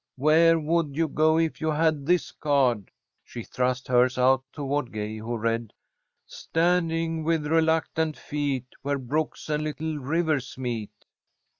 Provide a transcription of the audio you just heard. Where would you go if you had this card?" She thrust hers out toward Gay, who read: "Standing with reluctant feet Where Brooks and Little Rivers meet."